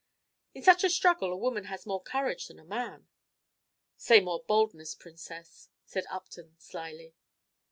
"In such a struggle a woman has more courage than a man." "Say more boldness, Princess," said Upton, slyly.